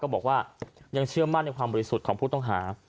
บอกว่ายังเชื่อมั่นในความบริสุทธิ์ของผู้ต้องหา